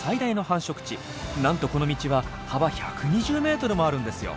なんとこの道は幅１２０ｍもあるんですよ！